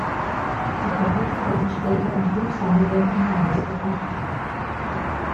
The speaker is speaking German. Die Kapitel wurden später in fünf Sammelbänden herausgebracht.